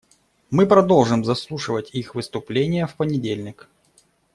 Мы продолжим заслушивать их выступления в понедельник.